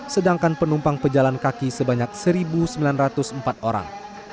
sedangkan penumpang pejalan kaki sebanyak satu sembilan ratus empat orang